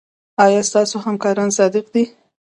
ایا ستاسو همکاران صادق دي؟